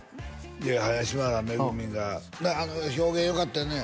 いや林原めぐみがあの表現よかったよね